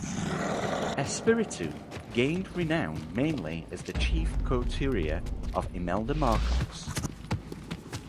Espiritu gained renown mainly as the chief couturier of Imelda Marcos.